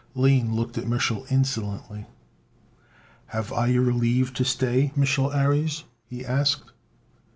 Lane looked at Mich'l insolently. "Have I your leave to stay, Mich'l Ares?" he asked.